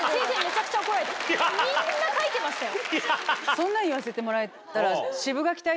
みんな書いてましたよ。